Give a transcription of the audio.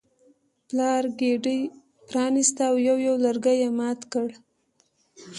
پلار ګېډۍ پرانیسته او یو یو لرګی یې مات کړ.